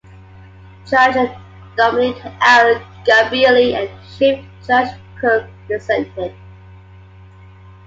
Judge Domenick L. Gabrielli and Chief Judge Cooke dissented.